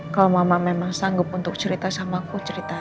kalau mama memang sanggup untuk cerita sama aku cerita